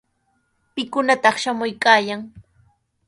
¿Pikunataq shamuykaayan?